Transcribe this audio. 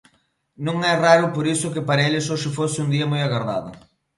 Non é raro por iso que para eles hoxe fose un día moi agardado.